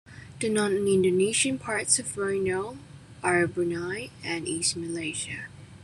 The non-Indonesian parts of Borneo are Brunei and East Malaysia.